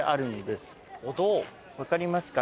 分かりますか？